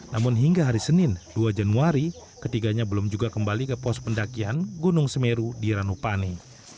namun hingga hari senin dua januari ketiganya belum juga kembali ke pos pendakian gunung semeru di ranupani